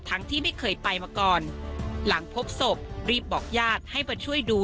ที่ไม่เคยไปมาก่อนหลังพบศพรีบบอกญาติให้มาช่วยดู